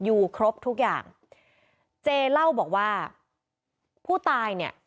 อยู่ครบทุกอย่างเจเล่าบอกว่าผู้ตายเนี่ย